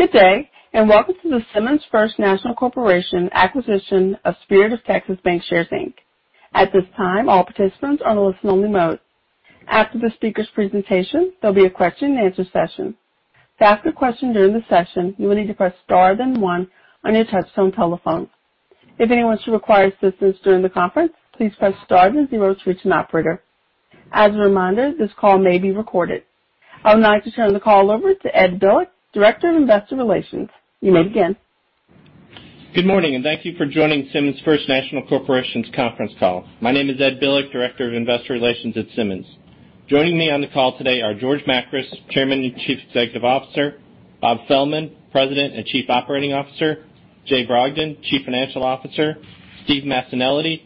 Good day, and welcome to the Simmons First National Corporation acquisition of Spirit of Texas Bancshares, Inc. At this time, all participants are in listen-only mode. After the speaker's presentation, there'll be a question-and-answer session. To ask a question during the session, you will need to press star then one on your touchtone telephone. If anyone should require assistance during the conference, please press star then zero to reach an operator. As a reminder, this call may be recorded. I would now like to turn the call over to Ed Bilek, Director of Investor Relations. You may begin. Good morning, and thank you for joining Simmons First National Corporation's conference call. My name is Ed Bilek, Director of Investor Relations at Simmons. Joining me on the call today are George Makris, Chairman and Chief Executive Officer, Bob Fehlman, President and Chief Operating Officer, Jay Brogdon, Chief Financial Officer, Steve Massanelli,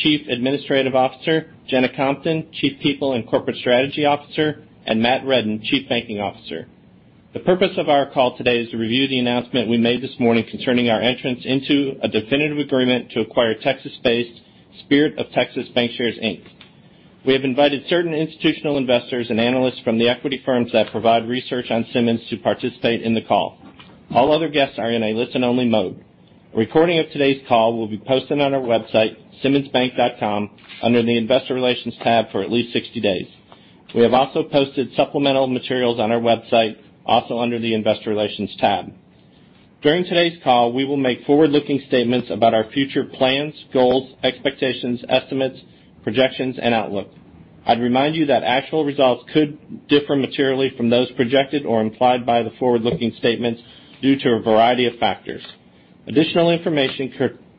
Chief Administrative Officer, Jena Compton, Chief People and Corporate Strategy Officer, and Matt Reddin, Chief Banking Officer. The purpose of our call today is to review the announcement we made this morning concerning our entrance into a definitive agreement to acquire Texas-based Spirit of Texas Bancshares Inc. We have invited certain institutional investors and analysts from the equity firms that provide research on Simmons to participate in the call. All other guests are in a listen-only mode. A recording of today's call will be posted on our website, simmonsbank.com, under the Investor Relations tab for at least 60 days. We have also posted supplemental materials on our website, also under the Investor Relations tab. During today's call, we will make forward-looking statements about our future plans, goals, expectations, estimates, projections, and outlook. I'd remind you that actual results could differ materially from those projected or implied by the forward-looking statements due to a variety of factors. Additional information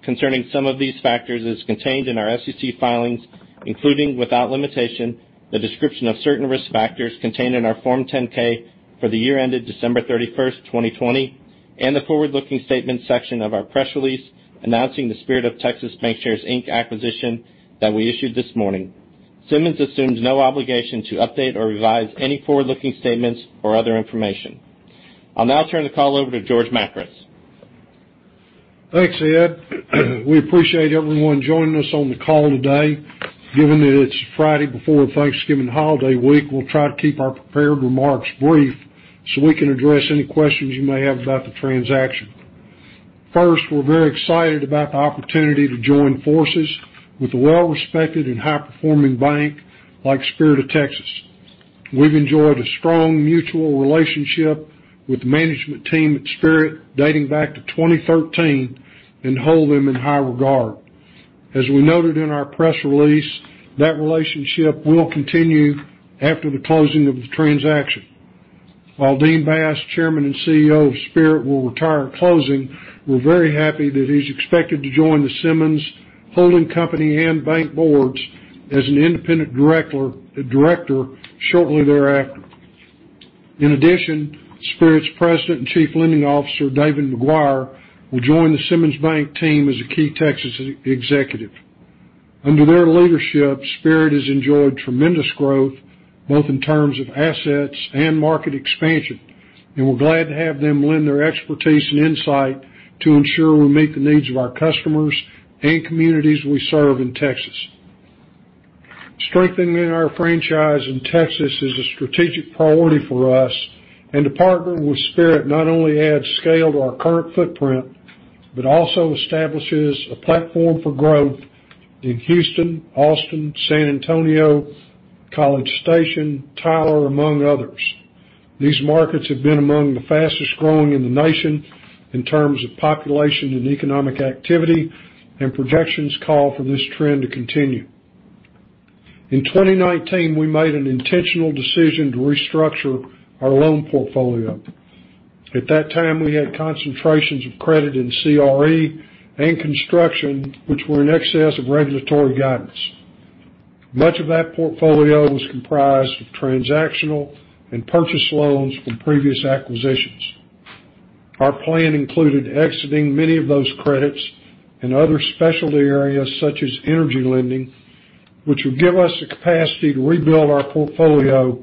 concerning some of these factors is contained in our SEC filings, including, without limitation, the description of certain risk factors contained in our Form 10-K for the year ended December 31st, 2020, and the forward-looking statements section of our press release announcing the Spirit of Texas Bancshares, Inc. acquisition that we issued this morning. Simmons assumes no obligation to update or revise any forward-looking statements or other information. I'll now turn the call over to George Makris. Thanks, Ed. We appreciate everyone joining us on the call today. Given that it's Friday before the Thanksgiving holiday week, we'll try to keep our prepared remarks brief, so we can address any questions you may have about the transaction. First, we're very excited about the opportunity to join forces with a well-respected and high-performing bank like Spirit of Texas. We've enjoyed a strong, mutual relationship with the management team at Spirit dating back to 2013 and hold them in high regard. As we noted in our press release, that relationship will continue after the closing of the transaction. While Dean Bass, Chairman and CEO of Spirit, will retire at closing, we're very happy that he's expected to join the Simmons holding company and bank boards as an independent director shortly thereafter. In addition, Spirit's President and Chief Lending Officer, David McGuire, will join the Simmons Bank team as a key Texas executive. Under their leadership, Spirit has enjoyed tremendous growth, both in terms of assets and market expansion, and we're glad to have them lend their expertise and insight to ensure we meet the needs of our customers and communities we serve in Texas. Strengthening our franchise in Texas is a strategic priority for us, and to partner with Spirit not only adds scale to our current footprint, but also establishes a platform for growth in Houston, Austin, San Antonio, College Station, Tyler, among others. These markets have been among the fastest-growing in the nation in terms of population and economic activity, and projections call for this trend to continue. In 2019, we made an intentional decision to restructure our loan portfolio. At that time, we had concentrations of credit in CRE and construction, which were in excess of regulatory guidance. Much of that portfolio was comprised of transactional and purchase loans from previous acquisitions. Our plan included exiting many of those credits in other specialty areas such as energy lending, which will give us the capacity to rebuild our portfolio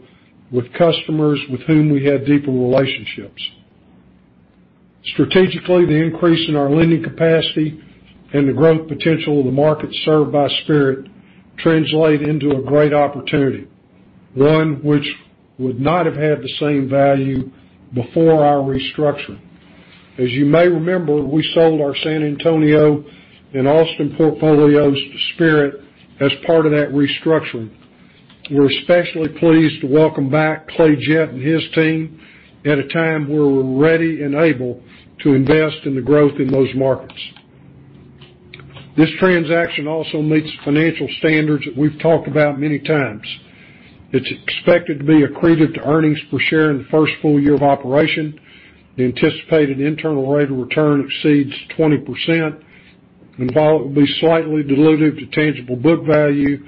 with customers with whom we have deeper relationships. Strategically, the increase in our lending capacity and the growth potential of the markets served by Spirit translate into a great opportunity, one which would not have had the same value before our restructuring. As you may remember, we sold our San Antonio and Austin portfolios to Spirit as part of that restructuring. We're especially pleased to welcome back Clay Jett and his team at a time where we're ready and able to invest in the growth in those markets. This transaction also meets financial standards that we've talked about many times. It's expected to be accretive to earnings per share in the first full year of operation. The anticipated internal rate of return exceeds 20%. While it will be slightly dilutive to tangible book value,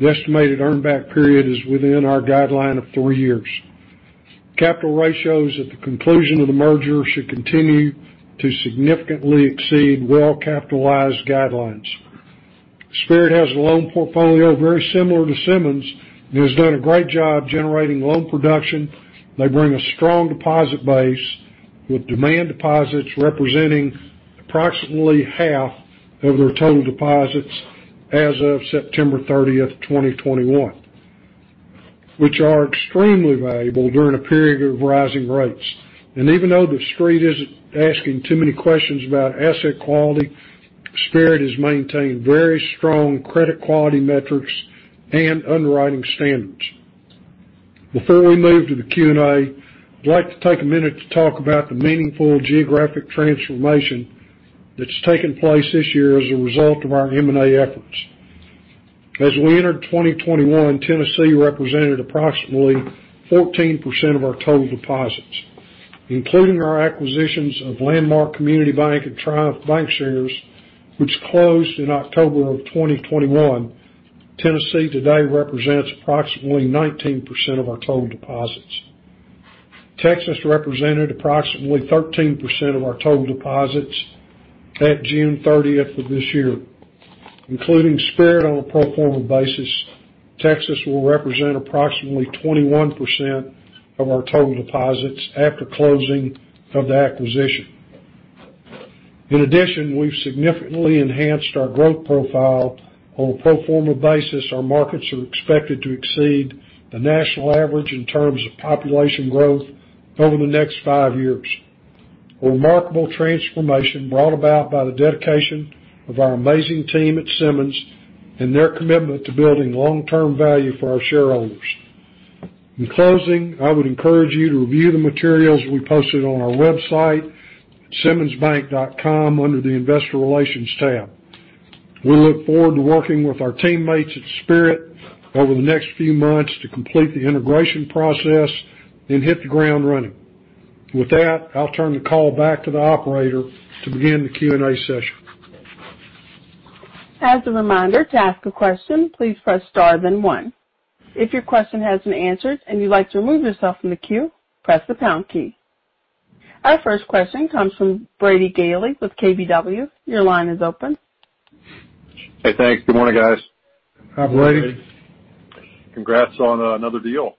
the estimated earn back period is within our guideline of three years. Capital ratios at the conclusion of the merger should continue to significantly exceed well-capitalized guidelines. Spirit has a loan portfolio very similar to Simmons and has done a great job generating loan production. They bring a strong deposit base, with demand deposits representing approximately half of their total deposits as of September 30th, 2021. Which are extremely valuable during a period of rising rates. Even though the Street isn't asking too many questions about asset quality, Spirit has maintained very strong credit quality metrics and underwriting standards. Before we move to the Q&A, I'd like to take a minute to talk about the meaningful geographic transformation that's taken place this year as a result of our M&A efforts. As we entered 2021, Tennessee represented approximately 14% of our total deposits. Including our acquisitions of Landmark Community Bank and Triumph Bancshares, which closed in October 2021, Tennessee today represents approximately 19% of our total deposits. Texas represented approximately 13% of our total deposits at June 30 of this year. Including Spirit on a pro forma basis, Texas will represent approximately 21% of our total deposits after closing of the acquisition. In addition, we've significantly enhanced our growth profile. On a pro forma basis, our markets are expected to exceed the national average in terms of population growth over the next five years. A remarkable transformation brought about by the dedication of our amazing team at Simmons and their commitment to building long-term value for our shareholders. In closing, I would encourage you to review the materials we posted on our website at simmonsbank.com under the Investor Relations tab. We look forward to working with our teammates at Spirit over the next few months to complete the integration process and hit the ground running. With that, I'll turn the call back to the operator to begin the Q&A session. Our first question comes from Brady Gailey with KBW. Your line is open. Hey, thanks. Good morning, guys. Hi, Brady. Congrats on another deal.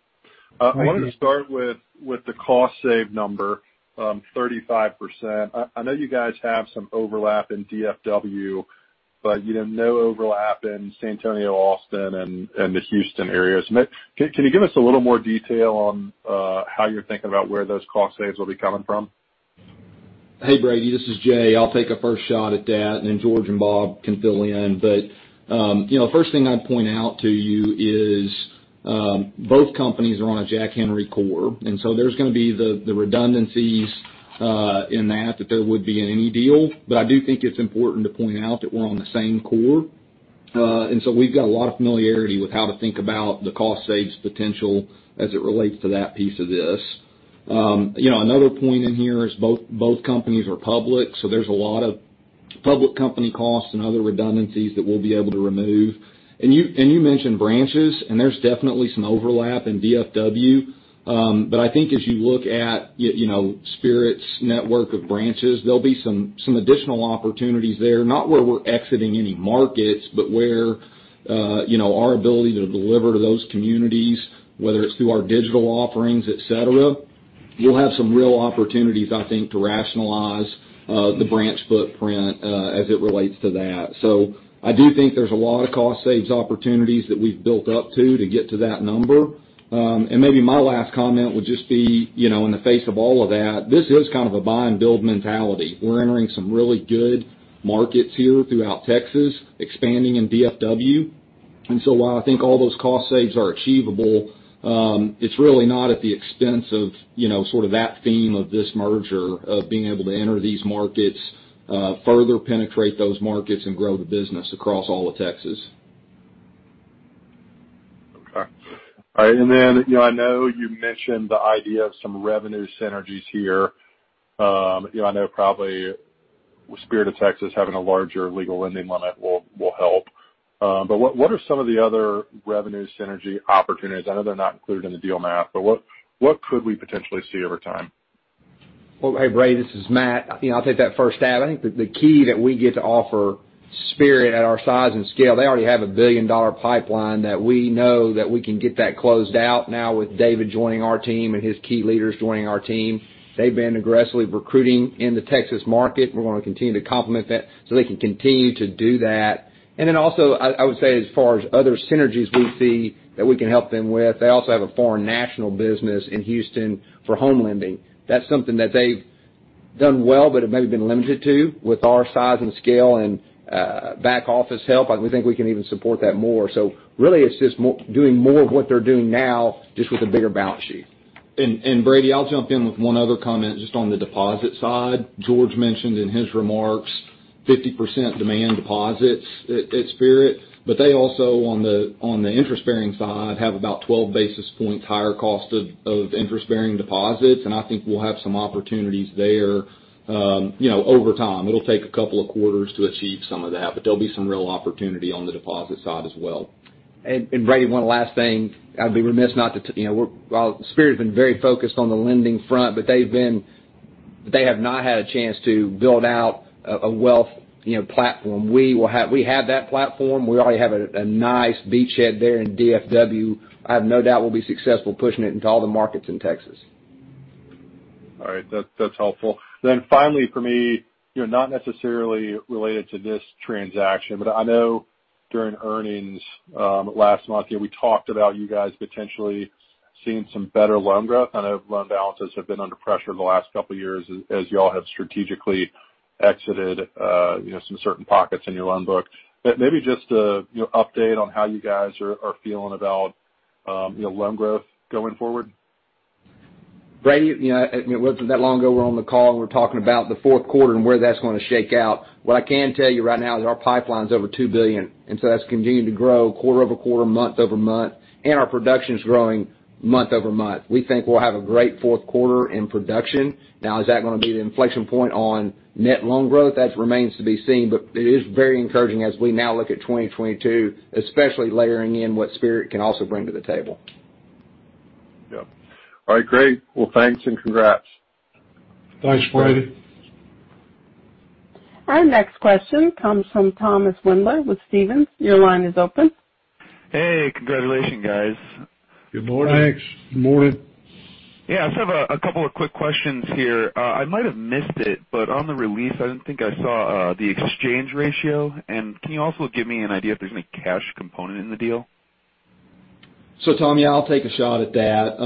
Thank you. I wanted to start with the cost savings number, 35%. I know you guys have some overlap in DFW, but you know, no overlap in San Antonio, Austin, and the Houston areas. Matt, can you give us a little more detail on how you're thinking about where those cost savings will be coming from? Hey, Brady, this is Jay. I'll take a first shot at that, and then George and Bob can fill in. You know, first thing I'd point out to you is both companies are on a Jack Henry core. There's gonna be the redundancies in that that there would be in any deal. I do think it's important to point out that we're on the same core. We've got a lot of familiarity with how to think about the cost saves potential as it relates to that piece of this. You know, another point in here is both companies are public, so there's a lot of public company costs and other redundancies that we'll be able to remove. You mentioned branches, and there's definitely some overlap in DFW. I think as you look at you know, Spirit's network of branches, there'll be some additional opportunities there. Not where we're exiting any markets, but where you know, our ability to deliver to those communities, whether it's through our digital offerings, et cetera, you'll have some real opportunities, I think, to rationalize the branch footprint as it relates to that. I do think there's a lot of cost savings opportunities that we've built up to get to that number. Maybe my last comment would just be you know, in the face of all of that, this is kind of a buy and build mentality. We're entering some really good markets here throughout Texas, expanding in DFW. While I think all those cost saves are achievable, it's really not at the expense of, you know, sort of that theme of this merger of being able to enter these markets, further penetrate those markets and grow the business across all of Texas. Okay. All right. Then, you know, I know you mentioned the idea of some revenue synergies here. You know, I know probably with Spirit of Texas having a larger legal lending limit will help. But what are some of the other revenue synergy opportunities? I know they're not included in the deal math, but what could we potentially see over time? Well, hey, Brady, this is Matt. You know, I'll take that first stab. I think that the key that we get to offer Spirit at our size and scale, they already have a billion-dollar pipeline that we know that we can get that closed out now with David joining our team and his key leaders joining our team. They've been aggressively recruiting in the Texas market. We wanna continue to complement that so they can continue to do that. I would say as far as other synergies we see that we can help them with, they also have a foreign national business in Houston for home lending. That's something that they've done well, but it may have been limited to with our size and scale and back office help. I think we can even support that more. Really it's just doing more of what they're doing now, just with a bigger balance sheet. Brady, I'll jump in with one other comment just on the deposit side. George mentioned in his remarks 50% demand deposits at Spirit, but they also on the interest-bearing side have about 12 basis points higher cost of interest-bearing deposits, and I think we'll have some opportunities there, you know, over time. It'll take a couple of quarters to achieve some of that, but there'll be some real opportunity on the deposit side as well. Brady, one last thing. I'd be remiss not to, you know, well, Spirit has been very focused on the lending front, but they have not had a chance to build out a wealth, you know, platform. We have that platform. We already have a nice beachhead there in DFW. I have no doubt we'll be successful pushing it into all the markets in Texas. All right. That's helpful. Finally, for me, you're not necessarily related to this transaction, but I know during earnings last month, you know, we talked about you guys potentially seeing some better loan growth. I know loan balances have been under pressure in the last couple of years as you all have strategically exited, you know, some certain pockets in your loan book. Maybe just a, you know, update on how you guys are feeling about, you know, loan growth going forward. Brady, you know, it wasn't that long ago, we're on the call, and we're talking about the fourth quarter and where that's gonna shake out. What I can tell you right now is our pipeline's over $2 billion, and so that's continuing to grow quarter-over-quarter, month-over-month, and our production's growing month-over-month. We think we'll have a great fourth quarter in production. Now, is that gonna be the inflection point on net loan growth? That remains to be seen, but it is very encouraging as we now look at 2022, especially layering in what Spirit can also bring to the table. Yep. All right, great. Well, thanks and congrats. Thanks, Brady. Our next question comes from Thomas Wendler with Stephens. Your line is open. Hey. Congratulations, guys. Good morning. Thanks. Morning. Yeah. I just have a couple of quick questions here. I might have missed it, but on the release, I don't think I saw the exchange ratio. Can you also give me an idea if there's any cash component in the deal? Tommy, I'll take a shot at that.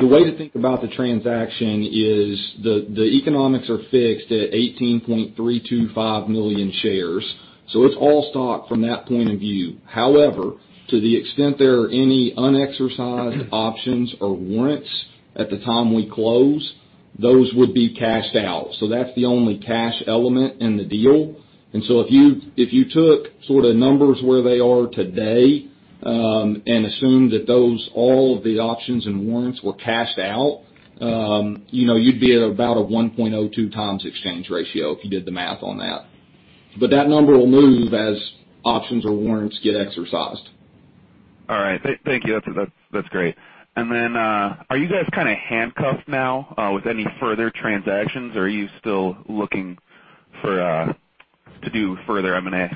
The way to think about the transaction is the economics are fixed at 18.325 million shares. It's all stock from that point of view. However, to the extent there are any unexercised options or warrants at the time we close, those would be cashed out. That's the only cash element in the deal. If you took sorta numbers where they are today, you know, you'd be at about a 1.02 times exchange ratio if you did the math on that. That number will move as options or warrants get exercised. All right. Thank you. That's great. Are you guys kinda handcuffed now with any further transactions? Or are you still looking to do further M&A?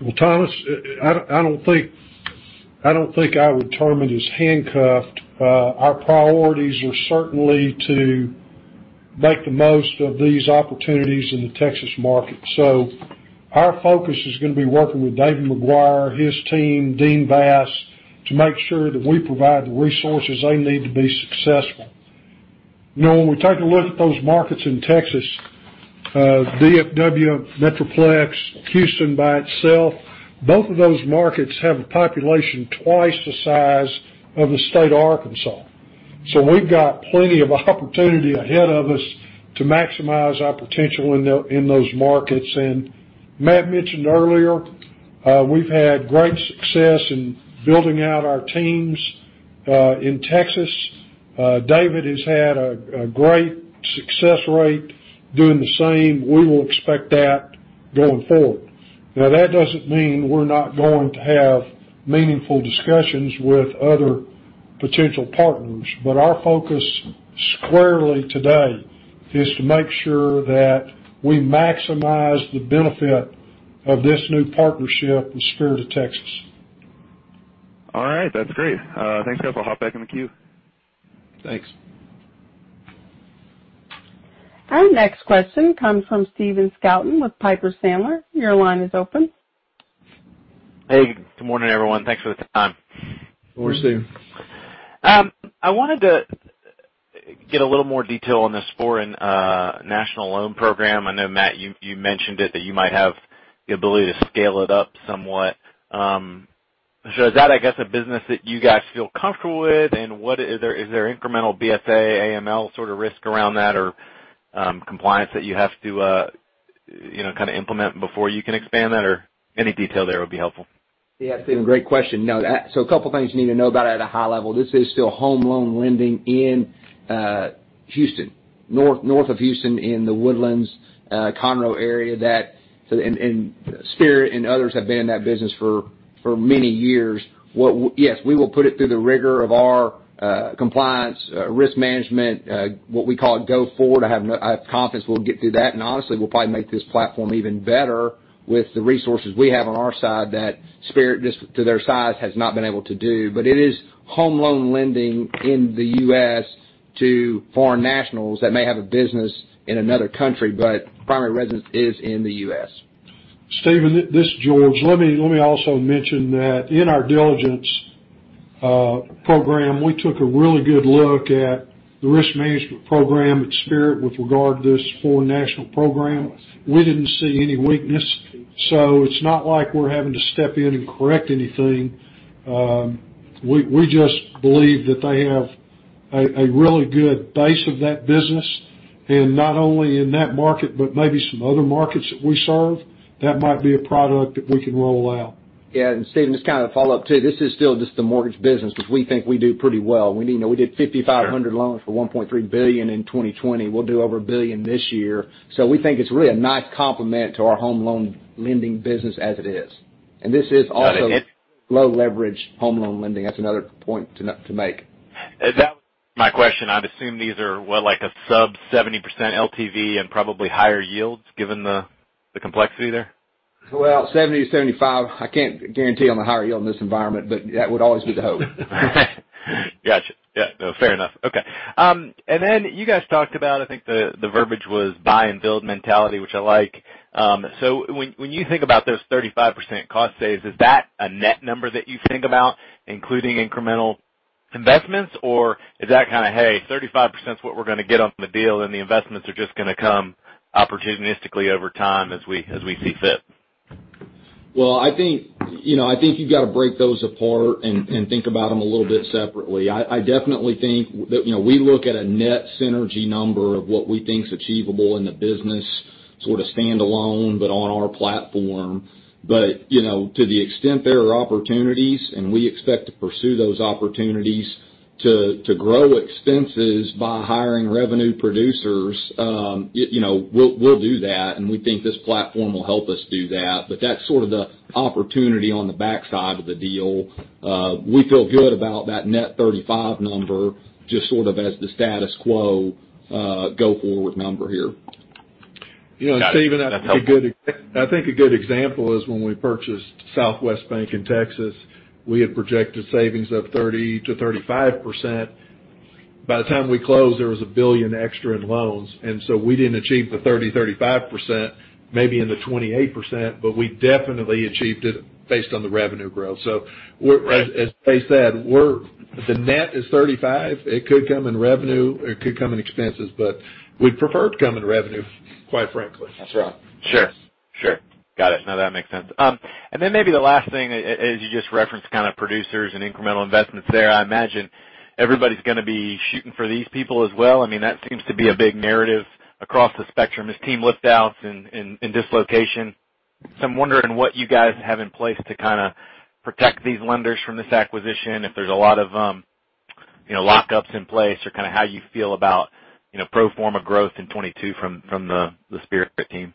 Well, Thomas, I don't think I would term it as handcuffed. Our priorities are certainly to make the most of these opportunities in the Texas market. Our focus is gonna be working with David McGuire, his team, Dean Bass, to make sure that we provide the resources they need to be successful. You know, when we take a look at those markets in Texas, DFW, Metroplex, Houston by itself, both of those markets have a population twice the size of the state of Arkansas. We've got plenty of opportunity ahead of us to maximize our potential in those markets. Matt mentioned earlier, we've had great success in building out our teams in Texas. David has had a great success rate doing the same. We will expect that going forward. Now, that doesn't mean we're not going to have meaningful discussions with other potential partners, but our focus squarely today is to make sure that we maximize the benefit of this new partnership with Spirit of Texas. All right. That's great. Thanks. I'll hop back in the queue. Thanks. Our next question comes from Stephen Scouten with Piper Sandler. Your line is open. Hey, good morning, everyone. Thanks for the time. Good morning, Stephen. I wanted to get a little more detail on this foreign national loan program. I know, Matt, you mentioned it that you might have the ability to scale it up somewhat. Is that, I guess, a business that you guys feel comfortable with? Is there incremental BSA, AML sort of risk around that or compliance that you have to you know kinda implement before you can expand that or any detail there would be helpful. Yeah. Stephen, great question. No. A couple things you need to know about at a high level. This is still home loan lending in Houston, north of Houston in the Woodlands, Conroe area that Spirit and others have been in that business for many years. Yes, we will put it through the rigor of our compliance, risk management, what we call a go forward. I have confidence we'll get through that. Honestly, we'll probably make this platform even better with the resources we have on our side that Spirit, just to their size, has not been able to do. It is home loan lending in the U.S. to foreign nationals that may have a business in another country, but primary residence is in the U.S. Stephen, this is George. Let me also mention that in our diligence program, we took a really good look at the risk management program at Spirit with regard to this foreign national program. We didn't see any weakness, so it's not like we're having to step in and correct anything. We just believe that they have a really good base of that business, and not only in that market, but maybe some other markets that we serve. That might be a product that we can roll out. Yeah. Stephen, just to kind of follow up, too. This is still just the mortgage business, which we think we do pretty well. You know, we did 5,500 loans for $1.3 billion in 2020. We'll do over $1 billion this year. We think it's really a nice complement to our home loan lending business as it is. This is also low leverage home loan lending. That's another point to make. That was my question. I'd assume these are, what? Like a sub 70% LTV and probably higher yields given the complexity there. Well, 70%-75%. I can't guarantee on the higher yield in this environment, but that would always be the hope. Got you. Yeah, no, fair enough. Okay. Then you guys talked about, I think the verbiage was buy and build mentality, which I like. When you think about those 35% cost savings, is that a net number that you think about including incremental investments? Or is that kind of, hey, 35% is what we're going to get on the deal, and the investments are just going to come opportunistically over time as we see fit? Well, I think, you know, I think you've got to break those apart and think about them a little bit separately. I definitely think that, you know, we look at a net synergy number of what we think is achievable in the business, sort of standalone, but on our platform. You know, to the extent there are opportunities and we expect to pursue those opportunities to grow expenses by hiring revenue producers, you know, we'll do that, and we think this platform will help us do that. That's sort of the opportunity on the backside of the deal. We feel good about that net 35 number, just sort of as the status quo, go-forward number here. Got it. That's helpful. You know, Stephen, I think a good example is when we purchased Southwest Bank in Texas. We had projected savings of 30%-35%. By the time we closed, there was $1 billion extra in loans, and so we didn't achieve the 30%-35%, maybe in the 28%, but we definitely achieved it based on the revenue growth. We're, as Clay said, the net is 35%. It could come in revenue, it could come in expenses, but we'd prefer it to come in revenue, quite frankly. That's right. Sure. Got it. No, that makes sense. Maybe the last thing, as you just referenced kind of producers and incremental investments there, I imagine everybody's going to be shooting for these people as well. I mean, that seems to be a big narrative across the spectrum is team lift outs and dislocation. I'm wondering what you guys have in place to kind of protect these lenders from this acquisition, if there's a lot of, you know, lockups in place or kind of how you feel about, you know, pro forma growth in 2022 from the Spirit team.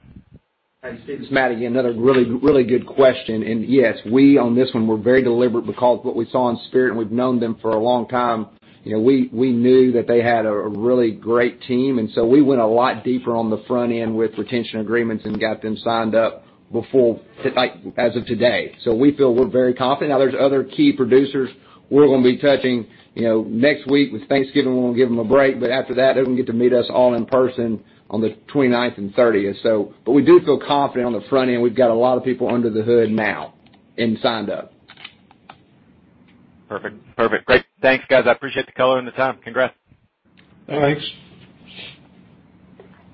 Hey, Stephen Scouten, it's Matt Reddin again. Another really, really good question. Yes, we're on this one. We're very deliberate because what we saw in Spirit, and we've known them for a long time, you know, we knew that they had a really great team. We went a lot deeper on the front end with retention agreements and got them signed up before, like, as of today. We feel we're very confident. Now, there's other key producers we're going to be touching, you know, next week. With Thanksgiving, we're going to give them a break, after that, they can get to meet us all in person on the 29th and 30th. We do feel confident on the front end. We've got a lot of people under the hood now and signed up. Perfect. Great. Thanks, guys. I appreciate the color and the time. Congrats. Thanks.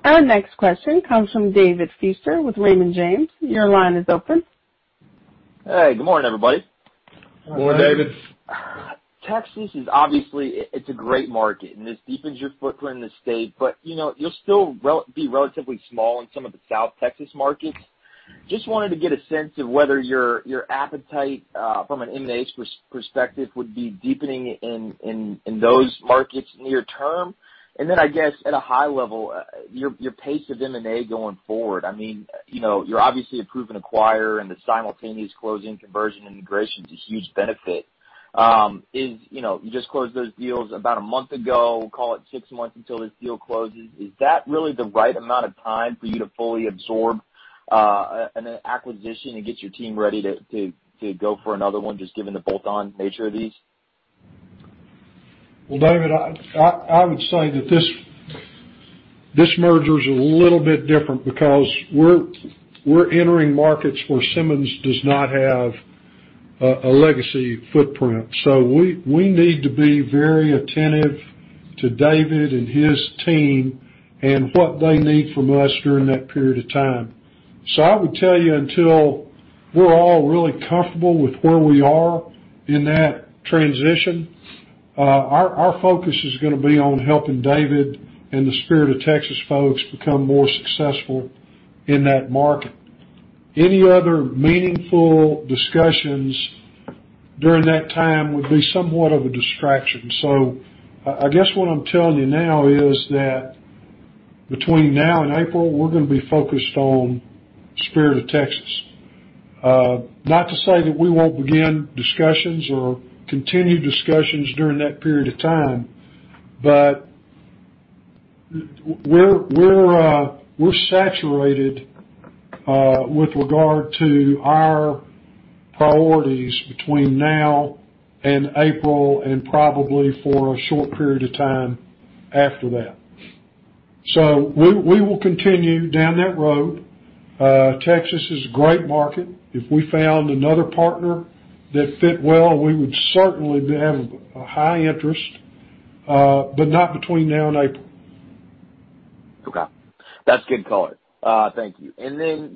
Our next question comes from David Feaster with Raymond James. Your line is open. Hey, good morning, everybody. Good morning, David. Texas is obviously a great market, and this deepens your footprint in the state, but you know, you'll still be relatively small in some of the South Texas markets. Just wanted to get a sense of whether your appetite from an M&A perspective would be deepening in those markets near term. Then, I guess, at a high level, your pace of M&A going forward. I mean, you know, you're obviously a proven acquirer, and the simultaneous closing, conversion, and integration is a huge benefit. Is, you know, you just closed those deals about a month ago, call it six months until this deal closes. Is that really the right amount of time for you to fully absorb an acquisition and get your team ready to go for another one, just given the bolt-on nature of these? Well, David, I would say that this merger is a little bit different because we're entering markets where Simmons does not have a legacy footprint. We need to be very attentive to David and his team and what they need from us during that period of time. I would tell you until we're all really comfortable with where we are in that transition, our focus is going to be on helping David and the Spirit of Texas folks become more successful in that market. Any other meaningful discussions during that time would be somewhat of a distraction. I guess what I'm telling you now is that between now and April, we're going to be focused on Spirit of Texas. Not to say that we won't begin discussions or continue discussions during that period of time, but we're saturated with regard to our priorities between now and April and probably for a short period of time after that. We will continue down that road. Texas is a great market. If we found another partner that fit well, we would certainly have a high interest, but not between now and April. Okay. That's good color. Thank you.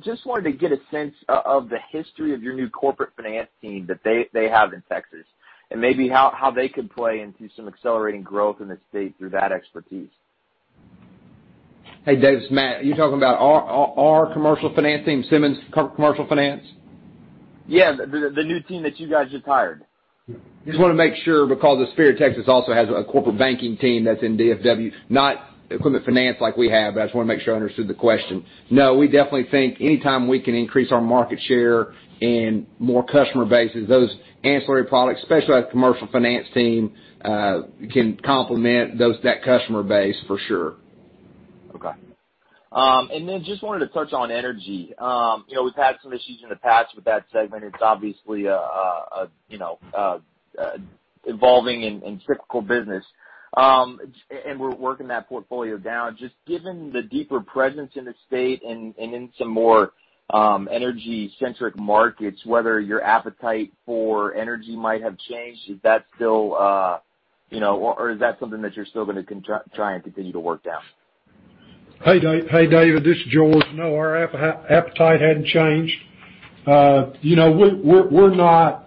Just wanted to get a sense of the history of your new corporate finance team that they have in Texas and maybe how they could play into some accelerating growth in the state through that expertise. Hey, Dave, it's Matt. Are you talking about our commercial finance team, Simmons Commercial Finance? Yeah. The new team that you guys just hired. Just want to make sure because the Spirit of Texas also has a corporate banking team that's in DFW, not equipment finance like we have, but I just want to make sure I understood the question. No, we definitely think anytime we can increase our market share and more customer bases, those ancillary products, especially our commercial finance team, can complement that customer base for sure. Okay. Just wanted to touch on energy. You know, we've had some issues in the past with that segment. It's obviously, you know, evolving and critical business. We're working that portfolio down. Just given the deeper presence in the state and in some more energy-centric markets, whether your appetite for energy might have changed, is that still, you know, or is that something that you're still gonna try and continue to work down? Hey, David, this is George. No, our appetite hadn't changed. You know, we're not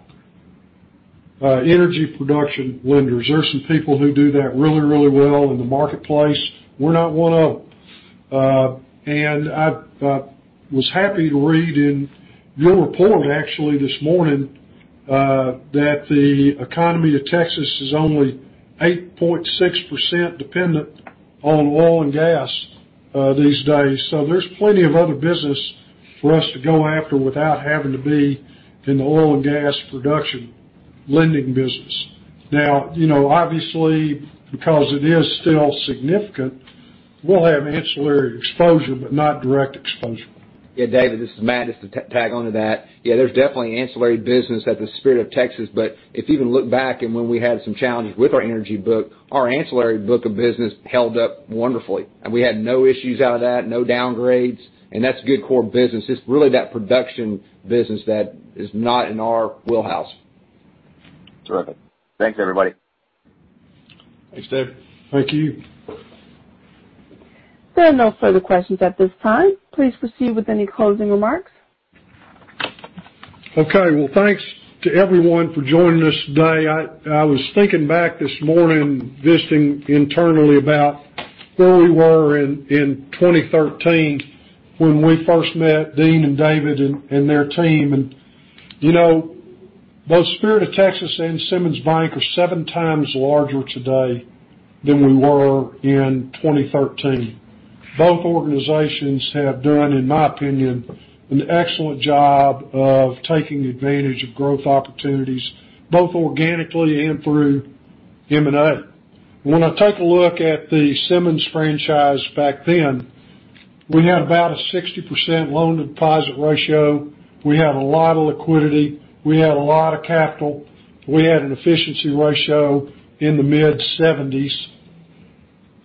energy production lenders. There are some people who do that really, really well in the marketplace. We're not one of them. I was happy to read in your report, actually, this morning, that the economy of Texas is only 8.6% dependent on oil and gas these days. So there's plenty of other business for us to go after without having to be in the oil and gas production lending business. Now, you know, obviously, because it is still significant, we'll have ancillary exposure, but not direct exposure. Yeah, David, this is Matt. Just to tag onto that. Yeah, there's definitely ancillary business at the Spirit of Texas, but if you even look back at when we had some challenges with our energy book, our ancillary book of business held up wonderfully. We had no issues out of that, no downgrades, and that's good core business. It's really that production business that is not in our wheelhouse. Terrific. Thanks, everybody. Thanks, David. Thank you. There are no further questions at this time. Please proceed with any closing remarks. Okay. Well, thanks to everyone for joining today. I was thinking back this morning about where we were in 2013 when we first met Dean and David and their team. You know, both Spirit of Texas and Simmons Bank are seven times larger today than we were in 2013. Both organizations have done, in my opinion, an excellent job of taking advantage of growth opportunities, both organically and through M&A. When I take a look at the Simmons franchise back then, we had about a 60% loan-to-deposit ratio, we had a lot of liquidity, we had a lot of capital, we had an efficiency ratio in the mid-70s.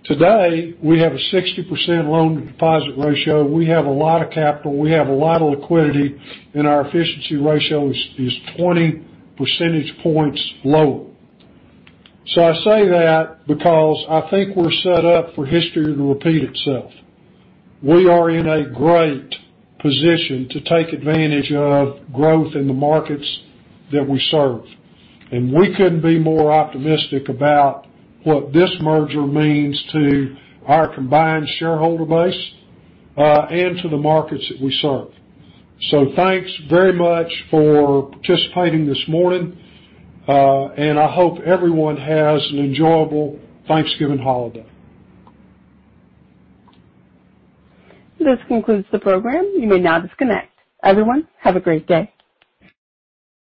Today, we have a 60% loan-to-deposit ratio, we have a lot of capital, we have a lot of liquidity, and our efficiency ratio is 20 percentage points lower. I say that because I think we're set up for history to repeat itself. We are in a great position to take advantage of growth in the markets that we serve, and we couldn't be more optimistic about what this merger means to our combined shareholder base, and to the markets that we serve. Thanks very much for participating this morning, and I hope everyone has an enjoyable Thanksgiving holiday. This concludes the program. You may now disconnect. Everyone, have a great day.